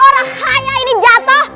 orang kaya ini jatoh